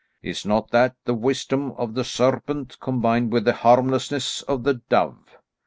Is not that the wisdom of the serpent combined with the harmlessness of the dove?"